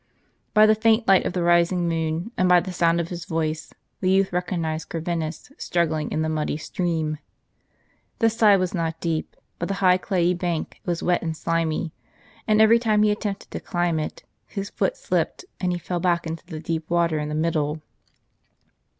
By the faint light of the rising moon, and by the sound of his voice, the youth recognized Corvinus struggling in the muddy stream. The side was not deep, but the high clayey bank was wet and slimy, and every time he attempted to climb it his foot slipped, and he fell back into the deep water in the middle.